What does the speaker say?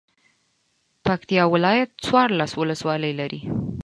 پکتيا ولايت څوارلس ولسوالۍ لری.